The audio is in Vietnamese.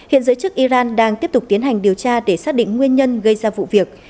hiện giới chức iran đang tiếp tục tiến hành điều tra để xác định nguyên nhân gây ra vụ việc